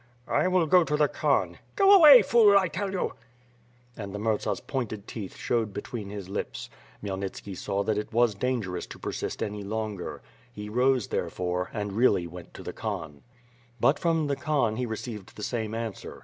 "I will go to the Khan." "Go away, fool, I tell you." And the Murza's pointed teeth showed between his lips. Khmyelnitski saw that it was dangerous to persist any longer. He rose, therefore, and really went to the Khan. But from the Khan he received the same answer.